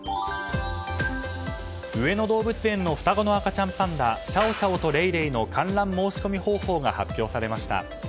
上野動物園の双子の赤ちゃんパンダシャオシャオとレイレイの観覧申し込み方法が発表されました。